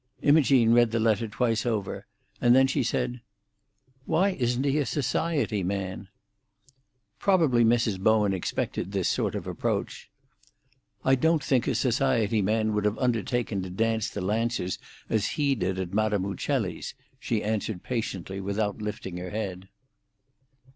Imogene read the letter twice over, and then she said, "Why isn't he a society man?" Probably Mrs. Bowen expected this sort of approach. "I don't think a society man would have undertaken to dance the Lancers as he did at Madam Uccelli's," she answered patiently, without lifting her head.